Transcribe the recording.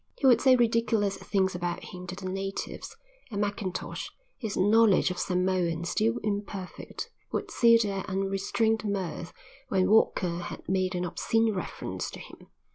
He would say ridiculous things about him to the natives, and Mackintosh, his knowledge of Samoan still imperfect, would see their unrestrained mirth when Walker had made an obscene reference to him.